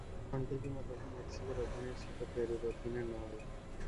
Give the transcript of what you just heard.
মন্টেজুমা তখন ম্যাক্সিকোর অধীনে ছিল, পেরুর অধীনে নয়!